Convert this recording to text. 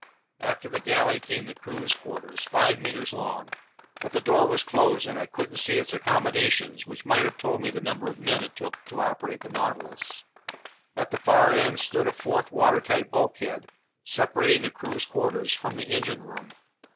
After the galley came the crew's quarters, 5 meters long. But the door was closed and I couldn't see its accommodations, which might have told me the number of men it took to operate the Nautilus. At the far end stood a fourth watertight bulkhead, separating the crew's quarters from the engine room.